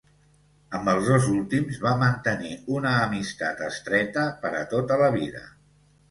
Amb els dos últims va mantenir una amistat estreta per a tota la vida.